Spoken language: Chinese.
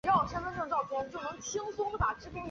次年改任泰宁镇总兵。